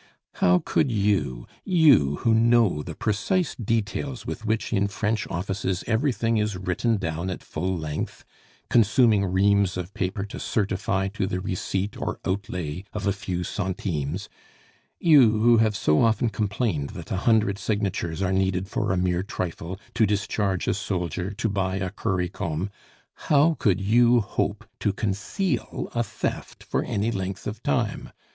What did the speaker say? "How could you you, who know the precise details with which in French offices everything is written down at full length, consuming reams of paper to certify to the receipt or outlay of a few centimes you, who have so often complained that a hundred signatures are needed for a mere trifle, to discharge a soldier, to buy a curry comb how could you hope to conceal a theft for any length of time?